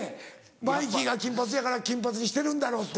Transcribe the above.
マイキーが金髪やから金髪にしてるんだろうって。